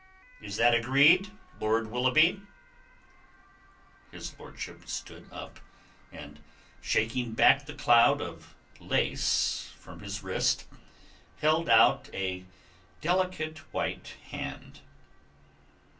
Is that agreed, Lord Willoughby?" His lordship stood up, and shaking back the cloud of lace from his wrist, held out a delicate white hand.